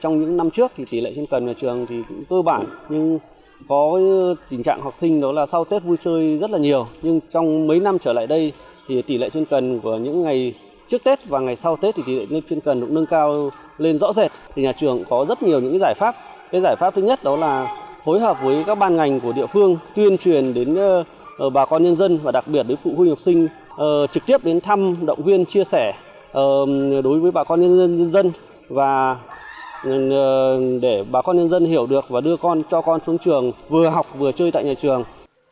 giải pháp thứ nhất đó là hối hợp với các ban ngành của địa phương tuyên truyền đến bà con nhân dân và đặc biệt đến phụ huynh học sinh trực tiếp đến thăm động viên chia sẻ đối với bà con nhân dân và để bà con nhân dân hiểu được và đưa con cho con xuống trường vừa học vừa chơi tại nhà trường